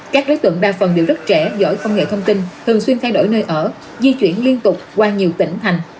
các đối tượng đa phần đều rất trẻ giỏi công nghệ thông tin thường xuyên thay đổi nơi ở di chuyển liên tục qua nhiều tỉnh thành